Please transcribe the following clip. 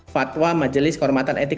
fatwa majelis kehormatan etik